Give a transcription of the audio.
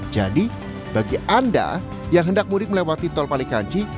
jadi bagi anda yang hendak mudik melewati tol palikanci